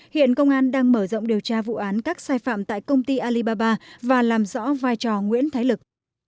hiện công an đang mở rộng điều tra vụ án các sai phạm tại công ty alibaba và làm rõ vai trò nguyễn thái lực